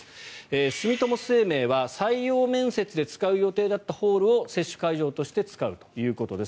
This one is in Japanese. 住友生命は採用面接で使う予定だったホールを接種会場として使うということです。